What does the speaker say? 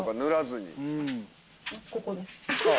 ここです。